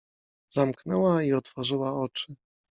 Zamknęła i otworzyła oczy.